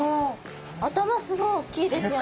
頭すごい大きいですよね。